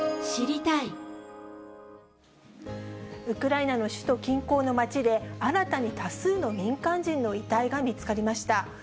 ウクライナの首都近郊の町で、新たに多数の民間人の遺体が見つかりました。